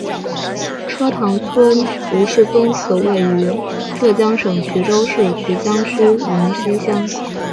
车塘村吴氏宗祠位于浙江省衢州市衢江区云溪乡。